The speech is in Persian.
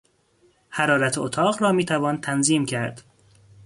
حرارت اتاق را میتوان تنظیم کرد.